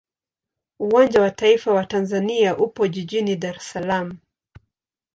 Uwanja wa taifa wa Tanzania upo jijini Dar es Salaam.